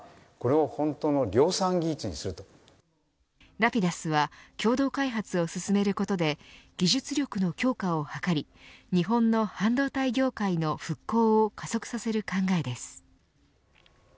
Ｒａｐｉｄｕｓは共同開発を進めることで技術力の強化を図り日本の半導体業界の復興を加速させる考えです。